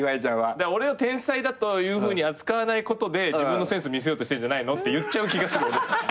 だから俺を天才だというふうに扱わないことで自分のセンス見せようとしてんじゃないの？って言っちゃう気がする俺。